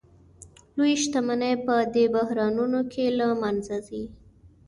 لویې شتمنۍ په دې بحرانونو کې له منځه ځي